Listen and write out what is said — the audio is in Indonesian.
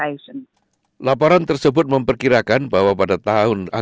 ai tidak akan mengambil over perusahaan perusahaan